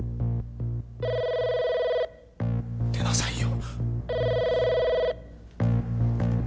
☎出なさいよ。